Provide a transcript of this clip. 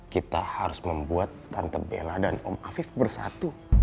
kita harus membuat tante bela dan om afif bersatu